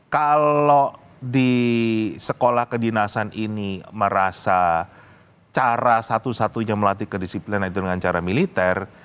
kalau di sekolah kedinasan ini merasa cara satu satunya melatih kedisiplinan itu dengan cara militer